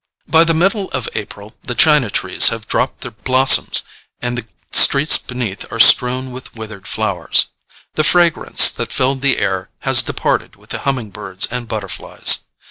By the middle of April the china trees have dropped their blossoms, and the streets beneath are strewn with withered flowers. The fragrance that filled the air has departed with the humming birds and butterflies.